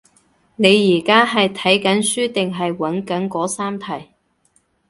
你而家係睇緊書定係揾緊嗰三題？